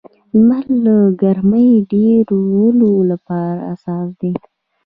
لمر د ګرمۍ ډېرولو لپاره اساس دی.